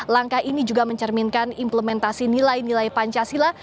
langkah ini juga mencerminkan implementasi nilai nilai pancasila